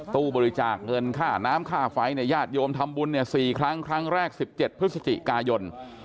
ตู้บริจาคเงินค่าน้ำค่าไฟเนี่ยญาติโยมทำบุญเนี่ย๔ครั้งครั้งแรก๑๗พฤศจิกายน